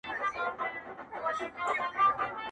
د اوښکو ټول څاڅکي دي ټول راټول کړه.